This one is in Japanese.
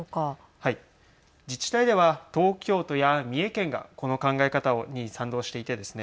自治体では東京都や三重県がこの考え方に賛同していてですね